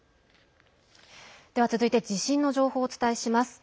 では、続いて地震の情報をお伝えします。